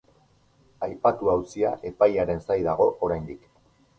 Aipatu auzia epaiaren zain dago oraindik.